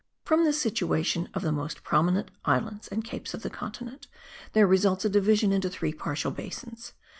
From this situation of the most prominent islands and capes of the continent, there results a division into three partial basins.